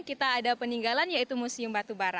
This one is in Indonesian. kita ada peninggalan yaitu museum batubara